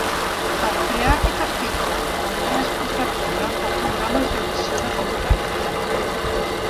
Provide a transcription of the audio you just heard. Per crear aquest efecte també es pot recórrer a programes d'edició de fotografia.